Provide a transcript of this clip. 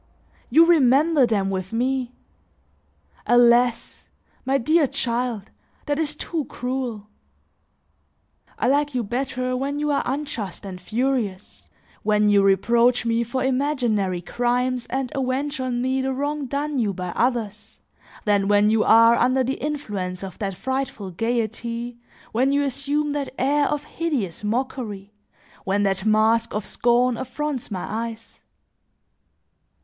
You remember them with me! Alas! my dear child, that is too cruel. I like you better when you are unjust and furious, when you reproach me for imaginary crimes and avenge on me the wrong done you by others, than when you are under the influence of that frightful gaiety, when you assume that air of hideous mockery, when that mask of scorn affronts my eyes.